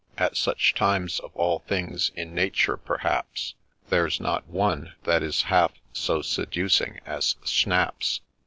At such times, of all things in nature, perhaps, There 's not one that is half so seducing as Schnaps.